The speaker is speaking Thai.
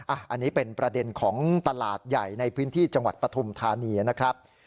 อันนี้เป็นประเด็นของตลาดใหญ่ในพื้นที่จังหวัดปฐุมธานีนะครับ